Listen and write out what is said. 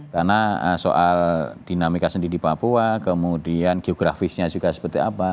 karena soal dinamika sendiri di papua kemudian geografisnya juga seperti apa